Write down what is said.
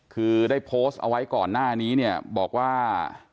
คือได้โพสต์เอาไว้ก่อนหน้านี้เนี่ยบอกว่า